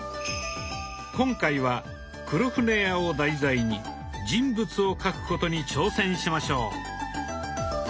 今回は「黒船屋」を題材に人物を描くことに挑戦しましょう。